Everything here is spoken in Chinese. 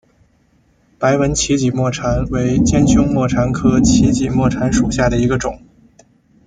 白纹歧脊沫蝉为尖胸沫蝉科歧脊沫蝉属下的一个种。